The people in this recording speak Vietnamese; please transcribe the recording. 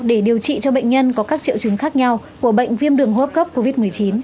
để điều trị cho bệnh nhân có các triệu chứng khác nhau của bệnh viêm đường hô hấp cấp covid một mươi chín